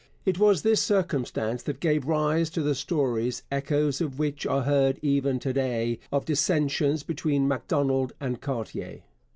It was this circumstance that gave rise to the stories, echoes of which are heard even to day, of dissensions between Macdonald and Cartier.